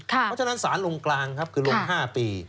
เพราะฉะนั้นสารลงกลางครับคือลง๕ปี